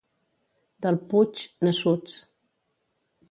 Del Puig, nassuts.